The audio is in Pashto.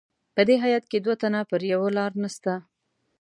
په دې هیات کې دوه تنه پر یوه لار نسته.